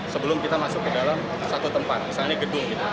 sebelum kita masuk ke dalam satu tempat misalnya gedung